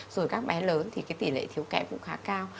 rồi các bé lớn thì cái tỷ lệ thiếu kẹp cũng khá cao